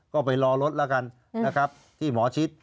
ก็ไปรอรถแล้วกันนะครับที่หมอชิด